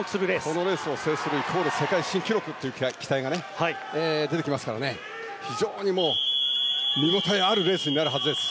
このレースを制するイコール世界新記録という期待が出てきますから非常に見ごたえあるレースになるはずです。